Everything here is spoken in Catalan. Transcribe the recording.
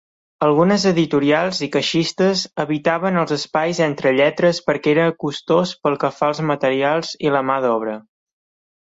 Algunes editorials i caixistes evitaven els espais entre lletres perquè era costós pel que fa als materials i la mà d'obra.